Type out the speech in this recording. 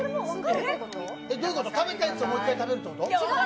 食べたやつをもう１回食べるってこと？